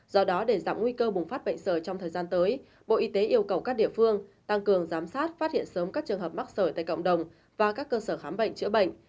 do đó để giảm nguy cơ bùng phát bệnh sởi trong thời gian tới bộ y tế yêu cầu các địa phương tăng cường giám sát phát hiện sớm các trường hợp mắc sởi tại cộng đồng và các cơ sở khám bệnh chữa bệnh